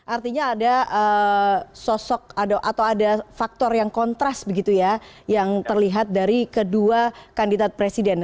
artinya ada sosok atau ada faktor yang kontras begitu ya yang terlihat dari kedua kandidat presiden